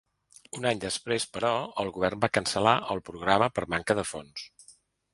Un any després, però, el govern va cancel·lar el programa per manca de fons.